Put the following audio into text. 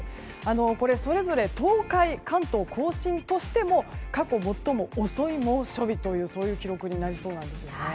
これ、それぞれ東海、関東・甲信としても過去最も遅い猛暑日という記録になりそうなんです。